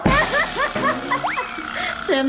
๙๑บาทครับ